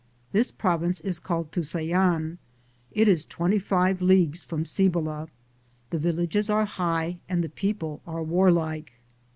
This province is called Tusayan. It is twenty five leagues from Cibola. The villages are .high and the people are warlike.